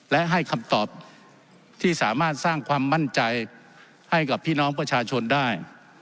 และให้คำตอบที่สามารถสร้างความมั่นใจให้กับพี่น้องประชาชนได้